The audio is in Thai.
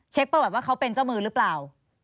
ประวัติว่าเขาเป็นเจ้ามือหรือเปล่า